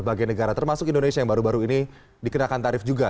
berbagai negara termasuk indonesia yang baru baru ini dikenakan tarif juga